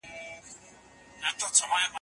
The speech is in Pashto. غالۍ په ماشین نه اوبدل کېږي.